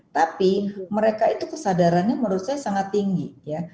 tapi mereka itu kesadarannya menurut saya sangat tinggi ya